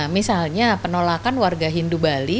misalnya penolakan warga hindu bali